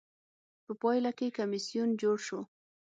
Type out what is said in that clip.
په پایله کې کمېسیون جوړ شو.